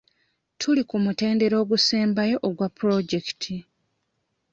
Tuli ku mutendera ogusembayo ogwa pulojekiti.